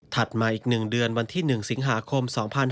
มาอีก๑เดือนวันที่๑สิงหาคม๒๕๕๙